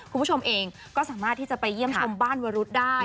คุณผู้ชมเองก็สามารถที่จะไปเยี่ยมชมบ้านวรุษได้